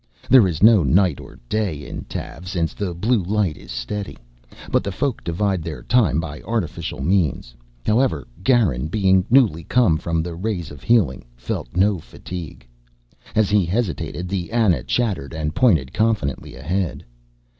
There is no night or day in Tav since the blue light is steady. But the Folk divide their time by artificial means. However Garin, being newly come from the rays of healing, felt no fatigue. As he hesitated, the Ana chattered and pointed confidently ahead.